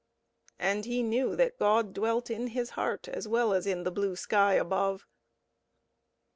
And he knew that God dwelt in his heart as well as in the blue sky above.